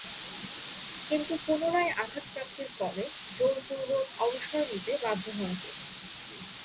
কিন্তু পুনরায় আঘাতপ্রাপ্তির ফলে জোরপূর্বক অবসর নিতে বাধ্য হন তিনি।